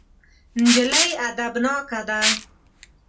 نجلۍ ادبناکه ده.